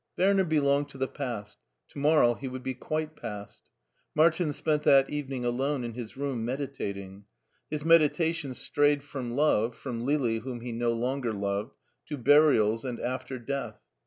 Werner belonged to the past, to morrow h« would be quite past. Martin spent that evening alone in his room meditating; his meditations strayed from love, from Lili whom he no longer loved, to burials and after death.